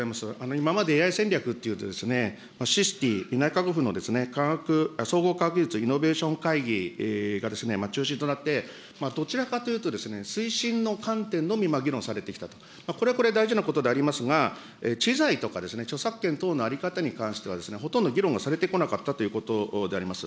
今までＡＩ戦略というと、科学、総合科学技術イノベーション会議が中心となって、どちらかというと推進の観点のみ議論されてきたと、これはこれで大事なことでありますが、知財とかですね、著作権等の在り方に関してはほとんど議論がされてこなかったということであります。